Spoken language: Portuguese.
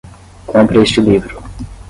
Compre este livro